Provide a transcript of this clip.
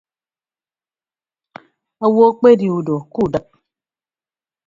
Owo akpedi ndọ kudịp.